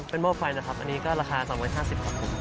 เป็นหม้อไฟนะครับอันนี้ก็ราคา๒๕๐ครับผม